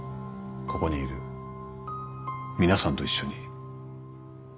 ここにいる皆さんと一緒に。